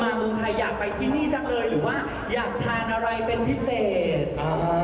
เมืองไทยอยากไปที่นี่จังเลยหรือว่าอยากทานอะไรเป็นพิเศษ